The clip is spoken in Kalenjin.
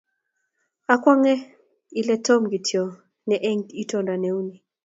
Akwong'e ile Tom kitoyoe nee eng itondo ne uni.